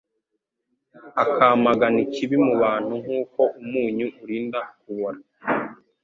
akamagana ikibi mu bantu nk'uko umunyu urinda kubora.